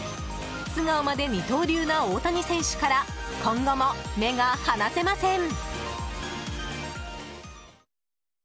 素顔まで二刀流な大谷選手から今後も目が離せません。